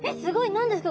何ですか？